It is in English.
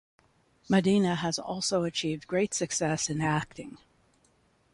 Madina has also achieved great success in acting.